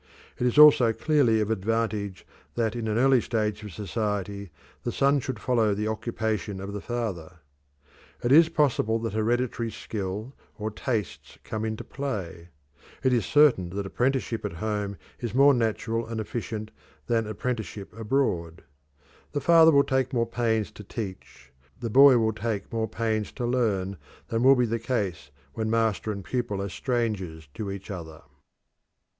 It is also clearly of advantage that in an early stage of society the son should follow the occupation of the father. It is possible that hereditary skill or tastes come into play; it is certain that apprenticeship at home is more natural and more efficient than apprenticeship abroad. The father will take more pains to teach, the boy will take more pains to learn, than will be the case when master and pupil are strangers to each other.